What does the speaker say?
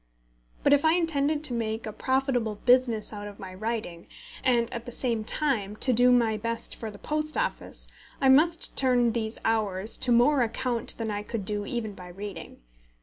But if I intended to make a profitable business out of my writing, and, at the same time, to do my best for the Post Office, I must turn these hours to more account than I could do even by reading.